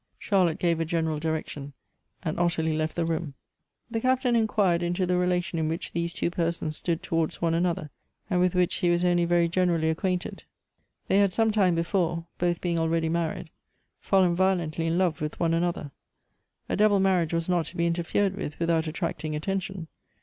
Charlotte gave a general direction, and Ottilie left the room. The Captain inquired into the relation in which these two persons stood towards one another, and with which he was only very generally acquainted. They had some time before, both being already manied, fallen violently in love with one another ; a double marriage was not to be interfered with without attracting attention.